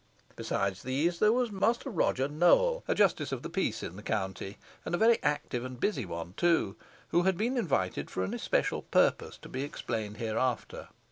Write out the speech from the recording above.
Besides these there was Master Roger Nowell, a justice of the peace in the county, and a very active and busy one too, who had been invited for an especial purpose, to be explained hereafter.